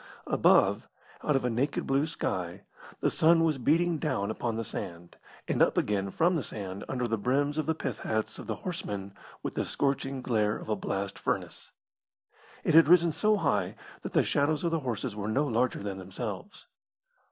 Above, out of a naked blue sky, the sun was beating down upon the sand, and up again from the sand under the brims of the pith hats of the horsemen with the scorching glare of a blast furnace. It had risen so high that the shadows of the horses were no larger than themselves.